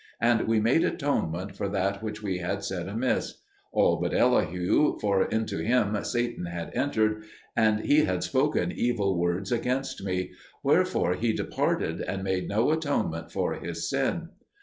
And we made atonement for that which we had said amiss: all but Elihu, for into him Satan had entered, and he had spoken evil words against me; wherefore he departed, and made no atonement for his sin.